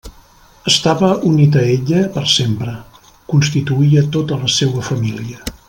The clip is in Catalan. Estava unit a ella per sempre: constituïa tota la seua família.